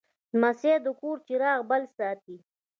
لمسی د کور چراغ بل ساتي.